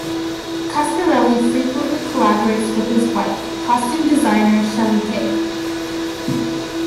Coscarelli frequently collaborates with his wife, costume designer Shelley Kay.